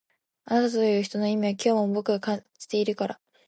あなたという人の意味は今日も僕が感じてるから